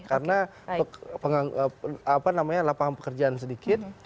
karena lapangan pekerjaan sedikit